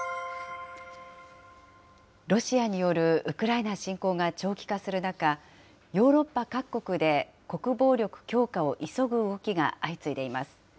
ロシアによるウクライナ侵攻が長期化する中、ヨーロッパ各国で国防力強化を急ぐ動きが相次いでいます。